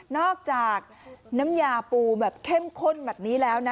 น้ำยาปูแบบเข้มข้นแบบนี้แล้วนะ